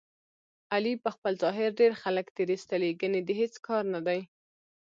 علي په خپل ظاهر ډېر خلک تېر ایستلي، ګني د هېڅ کار نه دی.